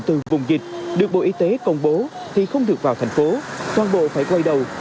từ vùng dịch được bộ y tế công bố thì không được vào thành phố toàn bộ phải quay đầu